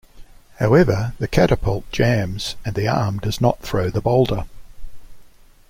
However, the catapult jams and the arm does not throw the boulder.